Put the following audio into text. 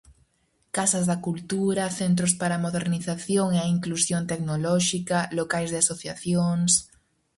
Casas da Cultura, Centros para a Modernización e a Inclusión Tecnolóxica, locais de asociacións...